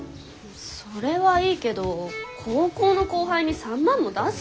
それはいいけど高校の後輩に３万も出す？